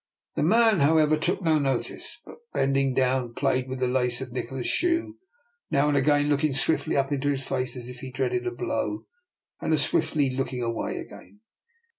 " The man, however, took no notice, but bending down played with the lace of Nikola's shoe, now and again looking swiftly up into his face, as if he dreaded a blow, and as swiftly looking away again.